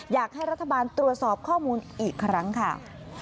อยากให้รัฐบาลตรวจสอบข้อมูลอีกครั้งค่ะ